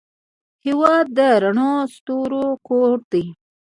هېواد د رڼو ستورو کور دی.